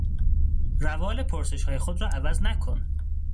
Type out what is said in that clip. روال پرسشهای خود را عوض نکن.